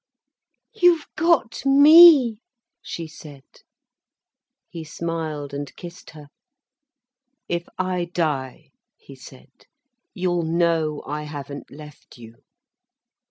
"You've got me," she said. He smiled and kissed her. "If I die," he said, "you'll know I haven't left you."